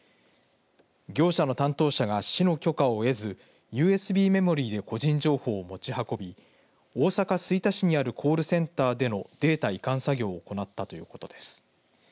業者の担当者が市の許可を得ずＵＳＢメモリーで個人情報を持ち運び大阪、吹田市にあるコールセンターでのデータ移管作業を行ったということです。